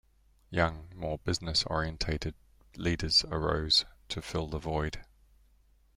Young, more business-oriented leaders arose to fill the void.